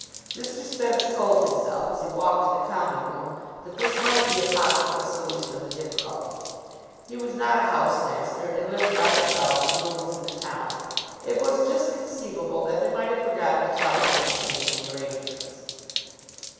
Mr. Spence told himself, as he walked to the Common Room, that this might be a possible solution of the difficulty. He was not a house master, and lived by himself in rooms in the town. It was just conceivable that they might have forgotten to tell him of the change in the arrangements.